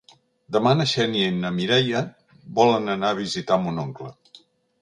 Demà na Xènia i na Mireia volen anar a visitar mon oncle.